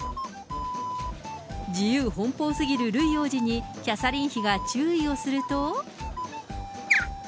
自由奔放すぎるルイ王子にキャサリン妃が注意をすると。